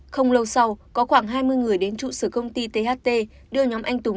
không lâu sau có khoảng hai mươi người đến trụ sở công ty tht đưa nhóm anh tùng